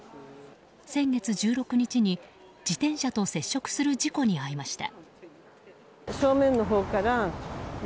先月１６日に自転車と接触する事故に遭いました。